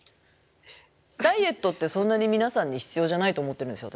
ダイエットってそんなに皆さんに必要じゃないと思ってるんですよ